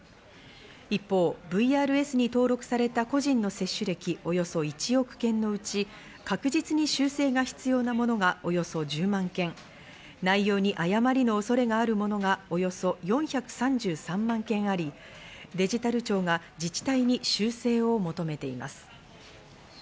一方、ＶＲＳに登録された個人の接種歴およそ１億件のうち、確実に修正が必要なものがおよそ１０万件、内容に誤りの恐れがあるものがおよそ４３３万件あり、デジタル庁が自治体に修正を求めています。